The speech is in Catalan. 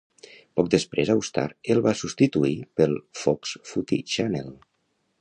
Poc després Austar el va substituir pel Fox Footy Channel.